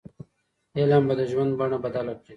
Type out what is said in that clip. علم به د ژوند بڼه بدله کړي.